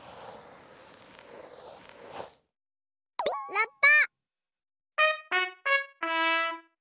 ラッパ！